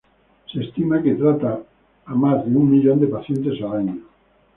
Se estima que trata a más de un millón de pacientes al año.